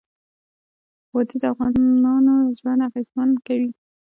وادي د افغانانو ژوند اغېزمن کوي.